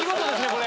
これ。